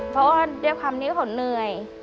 เพราะว่าด้วยความที่เขาเหนื่อย